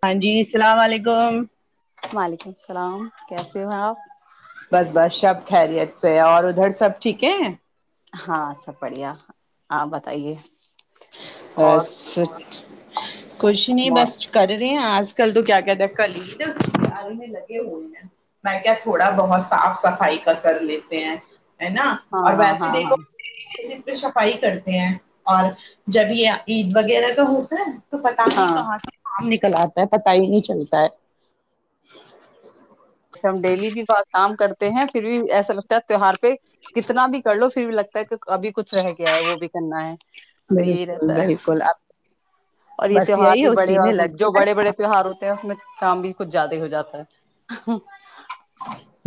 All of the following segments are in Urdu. ہاں جی اللام علیکم وعلیکم السلام کیسے ہو آپ بس بس شب خیریت سے اور ادھر سب ٹھیک ہے ہاں سب بڑھیا آپ بتائیے اور بس کچھ نہیں مو- بس ک آج کل تو کیا کہتے ہیں کل پیارے میں لگے ہوئے ہیں میں کیا تھوڑا بہت صاف صفائی کا کر لیتے ہیں ہے نا ہاں اور ہاں ویسے ہاں دیکھو ہاں فائی کرتے ہیں اور جب یہ عید وغیرہ کا ہوتا ہے تو پتا نہیں ہاں کہاں سے کام نکل چل آتا ہے پت ہی نہیں چلتا ہے جسے ہم ڈیلی بھی بہ کام کرتے ہیں پھر بھی ایسا لگتا ہے تیوار پہ کتنا بھی کر لو پھر بھی لگتا ہے ابھی کچھ رہ گیا ہے وہ بھی کرنا ہے تو یہی بالکل رہتا ہے بالکل اب اور یہ بس تیوہار یہی بھی بڑے اسی میں جو لگے بڑے بڑے تیوہار ہوتے ہیں اس میں کام بھی کچھ زیادہ ہو جاتا ہے [unintelligible]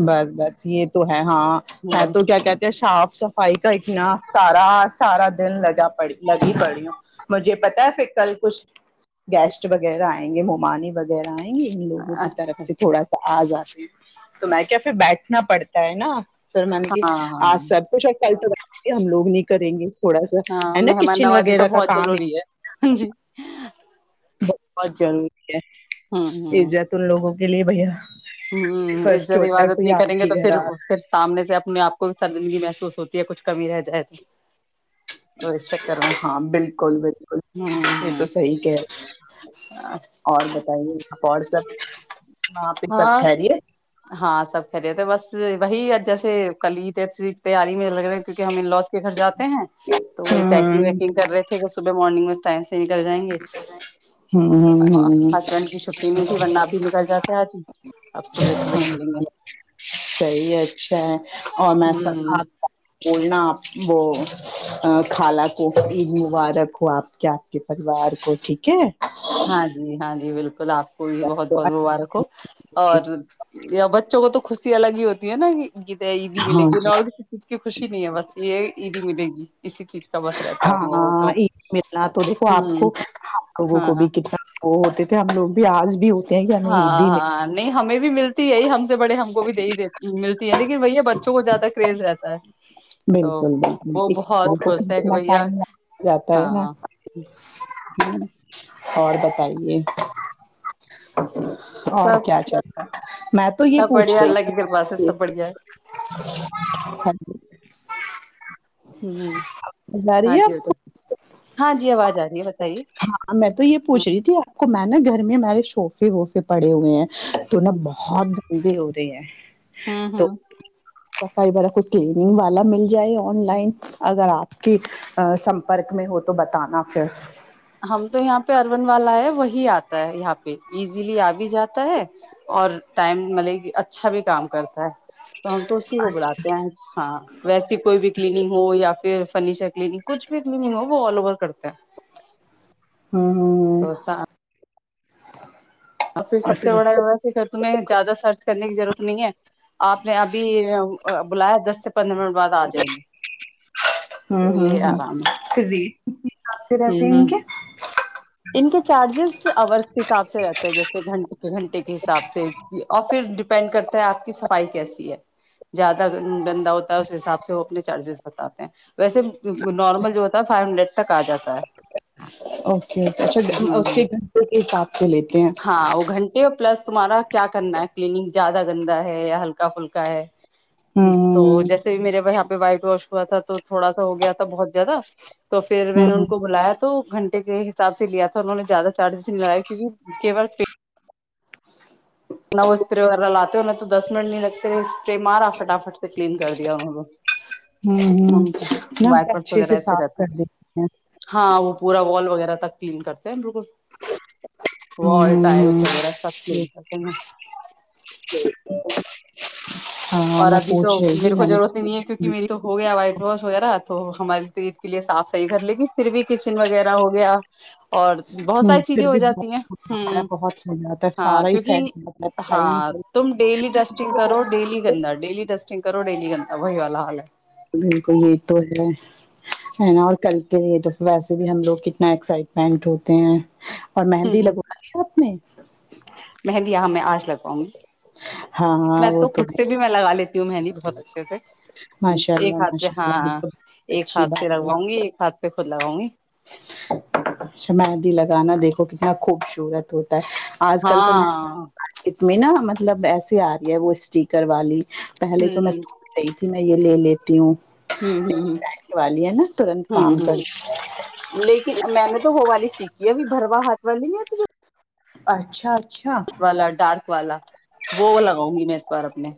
بس بس یہ تو ہے ہاں ہے ہوں تو کیا کہتے ہیں شاف صفائی کا اتنا سارا سارا دن لگا پڑی لگی پڑی ہوں مجھے پتا ہے پھر کل کچھ گیسٹ وغیرہ آئیں گے ممانی وغیرہ آئیں ان لوگوں کی طرف اچھا سے تھوڑا اچھا سا آزا تو میں کیا پھر بیٹ رکھنا پڑتا ہے نا سر م کی ہاں آ ہاں سب کچھ آ کل تو کہ ہم لوگ نہیں کریں گے تھوڑا سا ہاں ہے نا کچن مہماناوازی تو وغیرہ کا بہت کام ضروری ہے جی [unintelligible] [unintelligible] گلی ب ہے ہ فرسٹ ادر ہوتا ہے عبادت کوئی نہیں آپ کریں گے کے تو گھر پھر آ پھر سامنے سے اپنے آپ کو زندگی محسوس ہوتی ہے کچھ کمی رہ جائے تو تو اس چکر میں ہاں بالکل بالکل ہوں یہ تو ہوں صحی کہ اور بتائیے آپ اور سب سب ہاں خیریت ہاں سب [unintelligible] [unintelligible] کیونکہ ہم ان لوس کے گھر جاتے ہیں تو وہ پیکنگ ہوں ویکنگ کر رہے تھے کہ صبح مارنگ میں [inaudible] نکل جائیں گے ہوں ہوں ہسبینڈ کی چھٹی نہیں تھی ورنہ اب بھی نکل جاتے آج ہی اب صبح صبح نکلیں گے ہاں صحیح اچھا ہے اور میں سب ہوں بولنا [unintelligible] وہ خالہ کو عید مبارک ہو آپ کے آپ کے پریوار کو ٹھیک ہے ہاں جی ہاں جی بالکل ب آپ کو یہ بہت تو بہت مبارک ہو اور اچھے- بچوں کو تو خوشی الگ ہی ہوتی [unintelligible] تو عید ہی ملے ہاں گ جی انہیں اور کسی چیز کی خوشی نہیں ہے بس یہ یہ بھی ملے گی اسی چیز کا بس رہتا ہے ہم لوگوں کو ہاںید ملنا تو دیکھو آپ کو ہوں لوگوں کو ہاں ہاں بھی کتنا [unintelligible] ہوتے تھے ہم لوگ بھی آج بھی ہوتے کہ کہ ہمیں دی میں ہاں نہیں [unintelligible] ہمیں بھی ملتا [unintelligible] ت یہی ہم سے بڑے ہم کو بھی دی دی ملتی ہے لن وہی ہے بچوں کو زیادہ کرریز رہتا اچ [unintelligible] بالکل بالکل خوش ہیں اتنا کہ بھیا ٹائم ل جاتا ہے نا ہاں اور بتائیے اچ [unintelligible] اور سب کیا چلتا ہے سب بڑھیا الگ گرباس سب بڑھیا ہے ہوں جا رہی ہاں ہے جی آپ کو [unintelligible] ہاں ج آواز آ رہی ہے ب ہاں میں تو یہ پوچھ رہی تھی آپ کو میں نا گھرمی ہمارے شوفے وفے پڑے ہوئے ہیں تو نہا بہت دلی ہوتی رہ ہے [unintelligible] ہاں ہاں صفائی با کچھ کلیننگ والا مل جائے آن لائن اگر آپ کی سمپرک میں ہو تو بتانا پھر ہم تو یہاں پہ ارن والا ہے وہی آتا ہے یہاں پہ ایزیلی آ بھی جاتا ہے اور ٹائم مطلب اچھا بھی کام کرتا ہے تو ہم تو اسی کو بلاتے ہیں ہاں ویسی کوئی بھی کلینگ ہو یا پھر فنیچا کلینک کچھ بھی کلینک وہ آل اوور کرتا ہے ہ ہاں ہ [inaudible] پھر سب سے بڑا یہ ہے کہ اھر تمہیں زیادہ سرچ کرنے کی ضرورت نہیں ہے آپ نے ابھی بلایا دس پندرہ منٹ بعد آ جائیں گے ہ تو یہ آرام ہے آچ ہ راات ہ انک ان کے چارجز اور کے حساب سے رہتے ہیں جیسےن گھنٹے کے حساب سے اور پھر ینڈ کرتا ہے آپ کی صفائی کیسی ہے زیادہ گندا ہوتا ہے اس حساب سے وہ اپنے چارجز بتاتے ہیں ویسے نارمل جو ہوتا ہے فائیو ہنڈریڈ تک آ جاتا ہے اوکے اوکے اچھا ہ اس ہ کے گھنٹے کے حساب سے لیتے ہیں ہاں وہ گھنٹے پلس تمہارا کیا کرنا ہے کلینک جا زیادہ گندا ہے یا ہلکا پھلکا ہے تو ہوں جیسے بھی میرے ب وائٹ واش ہوا تھا تو تھوڑا سا ہو گیا تھا بہت زیادہ تو پھر میں نے ہوں ان کو بلایا تو گھنٹے کے حساب سے لیا تھا انہوں نے زیادہ چارجز نہیں لگیا کیونکہ نہ وہ اسپرے وغیرہ لاتے ہویں تو دس منٹ نہیں لگتے اسپرے مارا فٹافٹ سے کلین کر دیا انوں کو ہوں ان کے ہ ن وہ وائپرس اچھے وغیرہ سے ایسے صاف رہتے کر دیتی ہیں کین کرتے ہیں بالکل ہوں والال ہوں ٹائلس وغیرہ سب کل سک جی اور ابھی تو میرے کو ضرورت ہی نہیں ہے کیونکہ میری تو ہو گیا وائٹ واس وغیرہ تو ہماریے تو کے لیے صاف صحیح کر لیکن پھر بھی کچن وغیرہ ہو گیا اور بہت ہوں ساری چیزیں پھر ہو بھی بہت جاتی ہیں ہو جاتا ہے ہ بہت ہو جاتا ہے ہاں سارا ہی فیل کیونکہ جاتا ہے پتا ہی نہیں ہاں چلتا تم ڈیلی ڈسٹنگ کرو ڈیلی جا ڈیلی ٹسٹن کرو ڈ نہیں گتا بائی والا حال ہے بالکل یہ تو ہے ہے نا اور کرلتے رہ تو ویسے بھی ہم لوگ کتنا ایکسائٹمنٹ ہوتے ہیں اور مہندی ہوں لگوائی ہے آپ نے اچھا مہندی یہاں میں آج لگواؤں گی ہاں میں ہاں وہ تو خود ہے پ بھی میں لگا لیتی ہوں مہندی بہت اچھے سے ماشاء اللہ ایک ہاتھ پہ ماشاء ہاں اللہ یہ تو بہت ایک اچھی ہاتھ سے بات ہے لگواؤں گی ایک ہاتھ پہ خود لگوں گی [unintelligible] اچھا مہندی لگانا دیکھو کتنا خوبصورت ہوتا آج کل تو میں ہاں ات میں نا مطلب مطلب ایسی آر رہی ہے وہ اسٹیکر والی پہلے تو میں ہوں سچ رہی تھی میں یہ لے لیتی تیوں ہ ہ نے والی ہے نا ترنت ہ ہ کام ہ کر لیکن میں نے تو ہو والی سیکھی ہے ابھی بھروا ہات وال نہیں ہے تو جو اچھاچ والا ڈارک والا وہ لگاؤں گی میں اس بار نہیں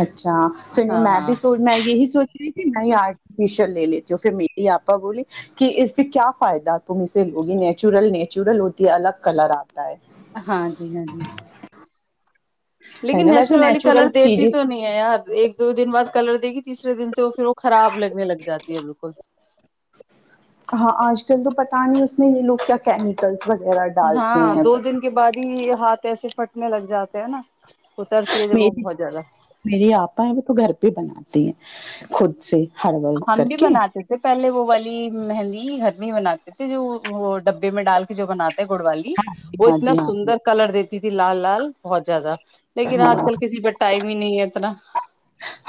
اچھا پھر نہیں میں بھی سوچ میں یہی سوچ رہی کہ نہیں آرفل لے لیتی ہو پھر میری آپا بولی کہ اس پ کیا فائدہ تم اسے لوگی نیچورل نیچورل ہوتی الگ کلر آپ ہاں جی ہاں جی ہے لیکن نا ویسے نیچرل والی کلر نیچورل دیتی چیزیں تو نہیں ہے یار ایک دو دن بعد کلر دیگی تسرے دن سے پھر وہ خراب لگنے لگ جاتی ہے بالکل ہاں آج کل تو پتا نہیں اس میں یہ لوگ کیا کیمکلس ہاں دو دن کے بعد ہی ہاتھ ایسے پھٹنے لگ جاتے ہیں نا اترتی ہے جب وہ مری بہت زیادہ میری آپا ہے وہ تو گھر بھی بناتی ہیں خود سے ہڑبل ہم کر بھی کے بناتے تھے پہلے وہ والی مہندی گھر میں بناتے تھے جو وہ ڈبے میں ڈال کے جو بنات گڑ والی وہ ہاں اتنا جی ہاں جی سندر کلر دیتی تھی لال لال بہت زیادہ لیکن آج ہاں کل کسی پر ٹائم ہی نہیں ہے اتنا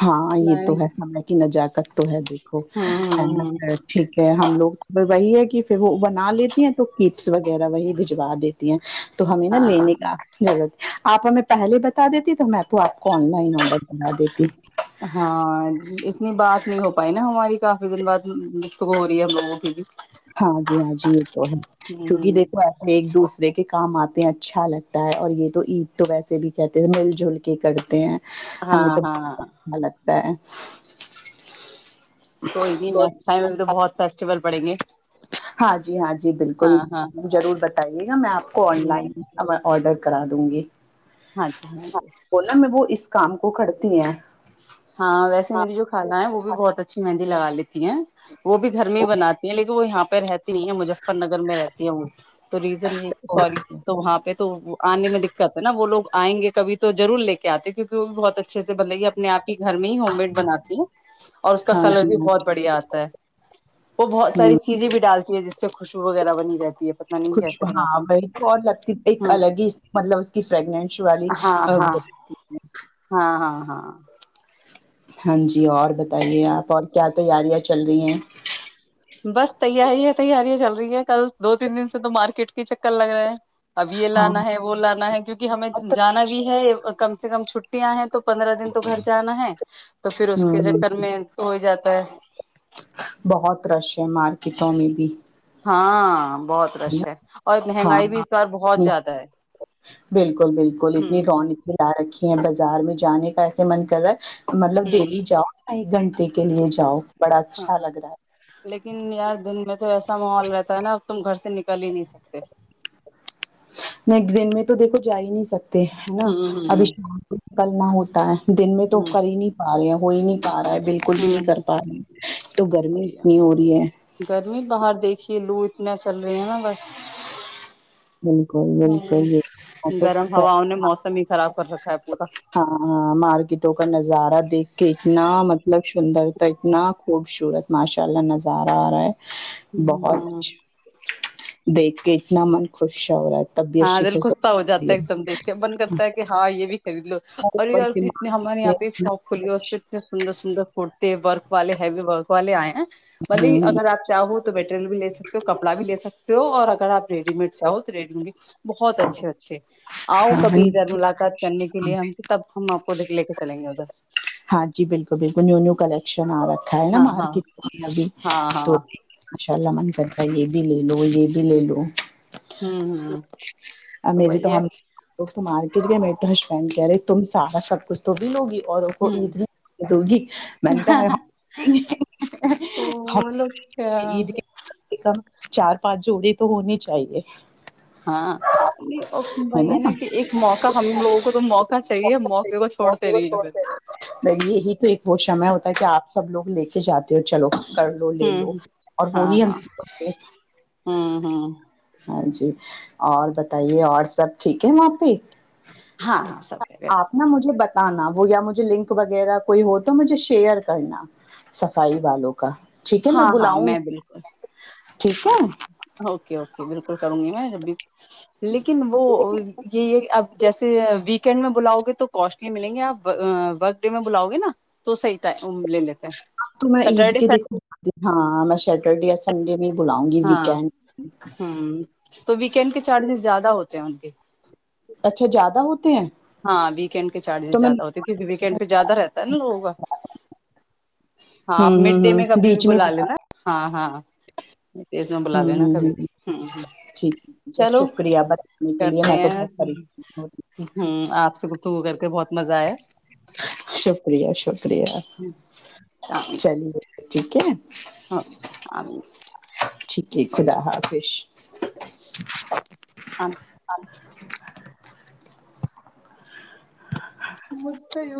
ہاں یہ تو نہیں ہے س کی ن جاکت ہے دیکھو ہوں ہے ہوں نا ہوں ٹھیک ہے ہم لوگ وہی ہے کہ پھر وہ بنا لیتی ہیں تو کیپس وغیرہ وہی بجوا دیتی ہیں تو ہمیں نا ہاں لینے کا غ [inaudible] آپ ہمیں پہلے بتا دیتی تو میں تو آپ کو آن لائن آڈر کرا دیتی ہاں اتنی بات نہیں ہو پائی نا ہماری کافی دن بعد گفتگو ہو رہی ہے ہم لوگوں کی بھی ہاں جی ہاں جی یہ تو ہے ہوں کیونکہ ہوں دیکھو ایسے ایک دوسرے کے کے کام آتے ہیں اچھا لگتا ہے اور یہ تو عید تو ویسے بھی کہتے ہیں مل جل کے کرتے ہیں ہمیں ہاں تو ہاں [inaudible] کوئی تو نہیں فائنل میں بہت فیسٹیول پڑیں گے ہاں جی ہاں جی بالکل ہاں ہاں ضرور بتائیے گا میں آپ کو آن لائن آڈر کرا دوں گی ہاںھا ہاں بولا میں وہ اس کام کو کرتی ہیں ہاں ویسے میری جو خھانا ہے وہ بھی بہت اچھی مہندی لگا لیتی ہیں وہ بھی گھر میں ہی بناتی ہیں لیکن وہ یہاں پہ رہتی نہیں ہے مظفر نگر میں رہتی ہے وہ تو ریزن یہ سوری تو وہاں پہ تو آنے میں دقت ہے نا وہ لوگ آئ گے کبھی تو رور لے کے آتے کیکہ وہ بھی بہت اچھا اچھے سے بلے اپ آپ گ میں ہی ہوم میڈ بناتی ہے اور اس کا ہاں کلر جی بھی ہاں بہت بڑھیا آتا ہے وہ بہت ساری چیزیں بھی چالتی ہے جس سے کو خوش ہاں بناتی وہی ہے تو اور لگتی ایک ہوں الگ ہی مطلب اس کی فریگنش والی ہاں ہاں ہاں ہاں ہاں ہاں جی اور بتائیے آپ اور کیا تیاریاں چل رہی ہیں بس تیاری ہے تیاری ہے چلو رہی ہے کل دو تین دن سے تو مارکیٹ کے چکر لگ رہا ہے اب یہ ہاں لانا ہے وہ لانا ہے کیونکہ ہمیں بہت جانا رش بھی ہے کم کم سے کم چھٹیاں ہیں تو پندرہ دن تو گھر جانا ہے تو پھر اس کے ہ چکر میں تو جاتا پس بہت رش ہے مارکیٹوں میں بھی ہاں بہت رش ہے اور ہاں مہنگائی بھی اس بار بہت زیادہ ہے بالکل بالکل اتنی ہوں رون اتنی لا رکھی بازار میں جانے کا ایسے من کر مطلب ہوں دلی جاؤ ایک گھنٹے کے لیے جاؤ بڑا اچھا ہاں لگ رہا ہے لیکن یار دن چل ہی نہیں سکتے نیکسٹ دن میں تو دیکھو جا ہی نہیں سکتا نا ہوں ابھی ہوں شام کو نکلنا ہوتا ہے دن میں تو ہوں کر ہی نہیں پا گے کوئی نہیں پا رہا ہے بالکل بھی نہیں ہوں کر پا رہے تو گرمی ہوں اتنی ہو رہی ہے کیلو اتنا چل رہے ہیں نا بس [unintelligible] ہاں گرم ہواؤں نے موسم ہی خراب کر رکھا ہے پورا ارے دیکھ کے اتنا ماشاءاللہ اتنا خوبصورت ماشاءاللہ نظارہ ارہا ہے بہت اچھا [unintelligible] دیکھ کے اتنا من خوش عورت بند کرتا ہے کہ ہاں یہ بھی خرید لو اور اوپر سے مارکیٹ میں پہ اتنا شاپ کچھ، کھلی پھوڑتے ہیں ورک والے ہیوی ورک والے ائے ہیں ولی ہوں، اگر اپ چاہو تو بیٹری بھی لے سکتے ہو کپڑا بھی لے سکتے ہو [unintelligible] [unintelligible] بہت اچھے اچھے اؤ ہاں ہاں، کبھی ادھر نیو ملاقات کرنے کے کلیکشن، لیے ہم سب ہم اپ کو ڈگ لے کے چلیں گے بس چپ رہ ہاں جی بالکل بالکل ہاں ہاں ہاں ہاں [unintelligible] یہ بھی لیلو [unintelligible] بھابھی ا گیا فون کرے تم سارا سب کچھ تو بلو گی [inaudible] [unintelligible] ہوں کولی نہیں کر تو وہ لوگ کیا رہا چار پانچ جولی تو ہونی چاہیے بھائی ہے نا کہ ایک موقع ہم لوگوں کو تو موقع چاہیے موقع کو چھوڑتے نہیں ہیں پھر ب یہی تو ایک وہ سمے ہوتا ہے کہ آپ سے [unintelligible] کرلو لیلو ہوں ہاں ہاں ہوں ہوں جی اور بتائیے اور سب ٹھیک ہے وہاں پہ ہا سب ہیں آپ بہتر نا نا وہ گیاجھے لنک وغیرہ کوئی ہو تو مجھے شیئر کرنا صفائی والوں کا ٹھیک ہے میں ہاں ہاں بلاؤں میں گھی بالکل ٹھیک ہے یہ بالکل کروں گی میں جب بھی لیکن وہ یہ ہے کہ اب جیسے ویکینڈ میں بلاؤ گے تو کوسٹلی ملیں گے آپ ورک ڈے میں بلاؤ گے نا تو صحی ٹ لے لیتے تو میں ہیں عید کے سٹرڈے دکھ ہاں میں سٹرڈے یا سنڈے میں بلاؤں گی ہاں ویکینڈ ہ تو ویکینڈ کے چارجز زیادہ ہوتے پ آ گ اچھا زیادہ ہوتے ہیں ہاں ویکینڈ کے چارجز تو میں زیادہ ہوتے کیونکہ ویکینڈ پہ زیادہ رہتا ہے ناوگوں کا ہاں آپ ہوں مڈ ہوں ڈے ہوں میں کبھی بھی بیچ میں بلا بتا لینا ہاں ہاں ز میں بلا ہوں لینا ہوں کبھی ہوں ہ ہ ٹھیک ہے، بہت چلو شکریہ بتانے کے لیے کرتے میں تو ہیں بہت پریشان ہوتی تھی ہ آپ سے گتگ کر کے بہت مزہ آیا شکریہ شکریہ ہ شام چلیے ٹھیک ہے [inaudible] ٹھیک ہے خدا حافظ [inaudible] [inaudible]